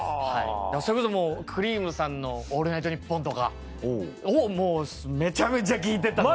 それこそもうくりぃむさんの『オールナイトニッポン』とかをもうめちゃめちゃ聴いてたので。